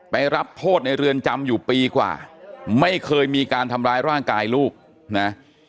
รับโทษในเรือนจำอยู่ปีกว่าไม่เคยมีการทำร้ายร่างกายลูกนะ